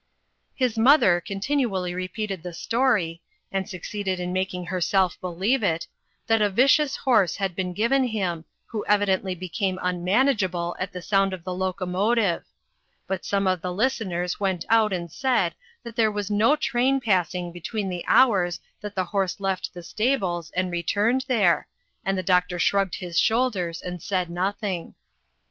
His mother continually repeated the story and succeeded in making herself believe it that a vicious horse had been given him, who evidently became unmanageable at the sound of the locomotive ; but some of the listeners went out and said that there was no train passing between the hours that the horse left the stables and returned there, and the doctor shrugged his shoulders and said nothing.